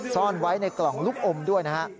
ซ่อนไว้ในกล่องลูกอมด้วยนะฮะ